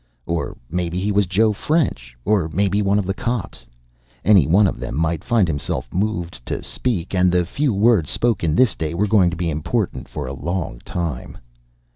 Or maybe he was Joe French. Or maybe one of the cops. Anyone of them might find himself moved to speak. And the few words spoken this day were going to be important for a long time.